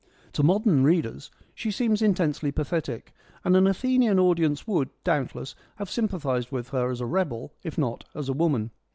To modern readers she seems intensely pathetic, and an Athenian audience would, doubtless, have sympathised with her as a rebel, if not as a woman.